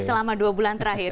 selama dua bulan terakhir